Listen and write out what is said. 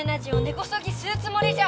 こそぎすうつもりじゃ。